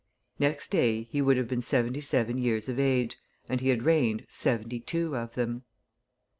Next day, he would have been seventy seven years of age, and he had reigned seventy two of them.